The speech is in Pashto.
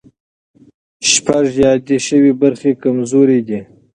شپږ یادې شوې برخې کمزوري دي.